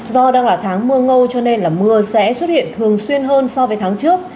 do đang là tháng mưa ngô cho nên mưa sẽ xuất hiện thường xuyên hơn so với tháng trước